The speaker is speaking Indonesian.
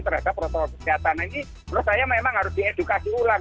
terhadap protokol kesehatan ini menurut saya memang harus diedukasi ulang